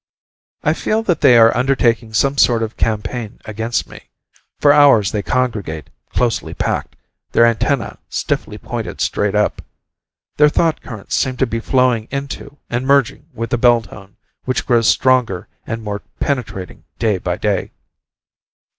I feel that they are undertaking some sort of campaign against me. For hours they congregate, closely packed, their antennae stiffly pointed straight up. Their thought currents seem to be flowing into and merging with the bell tone, which grows stronger and more penetrating day by day.